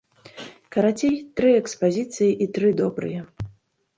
Карацей, тры экспазіцыі і тры добрыя!